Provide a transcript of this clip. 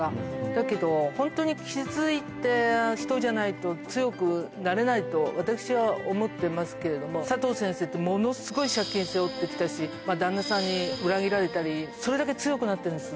だけど、本当に傷ついた人じゃないと、強くなれないと私は思ってますけれども、佐藤先生ってものすごい借金背負ってきたし、旦那さんに裏切られたり、それだけ強くなってるんです。